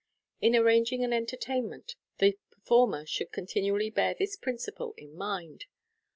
In arranging an enter 506 MODERN MAGIC. tainment, the performer should continually bear this principle in mind.